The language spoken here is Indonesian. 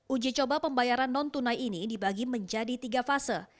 uji coba pembayaran non tunai ini dibagi menjadi tiga fase